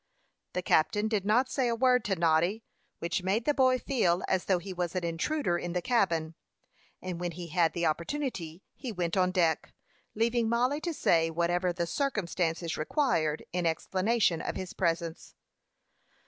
The captain did not say a word to Noddy, which made the boy feel as though he was an intruder in the cabin; and when he had the opportunity, he went on deck, leaving Mollie to say whatever the circumstances required in explanation of his presence.